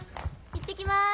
いってきます。